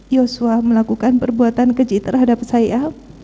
yosua melakukan perbuatan keji terhadap saya